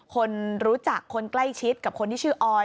คนรู้จักคนใกล้ชิดกับคนที่ชื่อออย